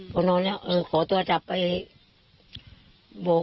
ยังไม่ได้อยู่จริงตั้งบ้านไว้อยู่เลย